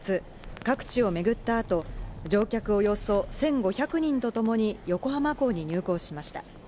各地をめぐった後、乗客およそ１５００人とともに横浜港に入港しました。